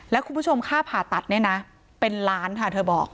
แล้วคุณผู้ชมค่าผ่าตัดเนี่ยนะเป็นล้านค่ะเธอบอก